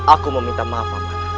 aku meminta maaf paman